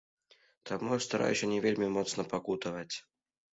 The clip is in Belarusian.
Таму я стараюся не вельмі моцна пакутаваць.